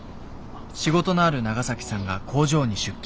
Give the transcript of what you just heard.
仕事のあるナガサキさんが工場に出勤。